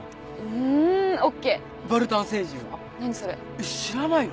えっ知らないの？